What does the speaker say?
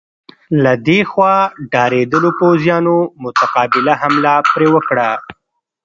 له دې خوا ډارېدلو پوځیانو متقابله حمله پرې وکړه.